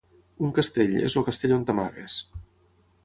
Un castell, és el castell on t'amagues.